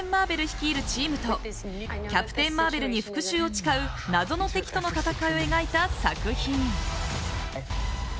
率いるチームとキャプテン・マーベルに復讐を誓う謎の敵との戦いを描いた作品。